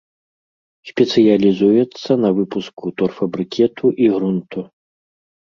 Спецыялізуецца на выпуску торфабрыкету і грунту.